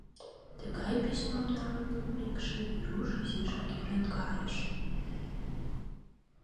Тыгай письмам налын лудмекше, Веруш изишак ӧрын кайыш.